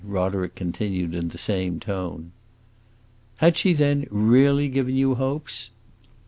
Roderick continued in the same tone. "Had she, then, really given you hopes?"